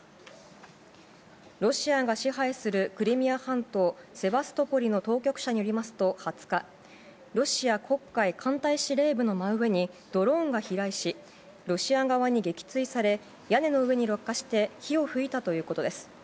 ロシアが支配するクリミア半島・セバストポリの当局者によりますと、２０日、ロシア黒海艦隊司令部の真上にドローンが飛来し、ロシア側に撃墜され、屋根の上に落下して火を噴いたということです。